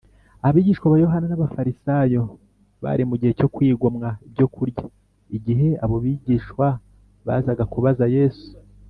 abigishwa ba yohana n’abafarisayo bari mu gihe cyo kwigomwa ibyo kurya igihe abo bigishwa bazaga kubaza yesu